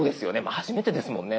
初めてですもんね。